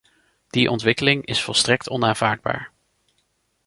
Die ontwikkeling is volstrekt onaanvaardbaar.